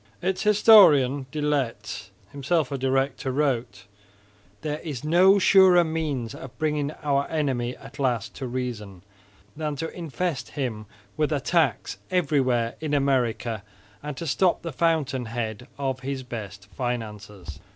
Its historian De Laet (himself a director) wrote, "There is no surer means of bringing our Enemy at last to reason, than to infest him with attacks everywhere in America and to stop the fountain head of his best finances."